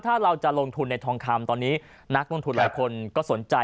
ถ้าเราจะลงทุนในทองคำตอนนี้นักลงทุนหลายคนก็สนใจ